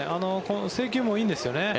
制球もいいんですよね。